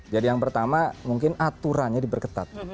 jadi yang pertama mungkin aturannya diperketat